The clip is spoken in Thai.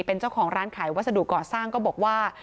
เป็นเจ้าของร้านขายวัสดุก่อสร้างก็บอกว่า